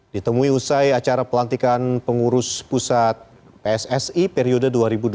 ditemui usai acara pelantikan pengurus pusat pssi periode dua ribu dua puluh tiga dua ribu dua puluh tujuh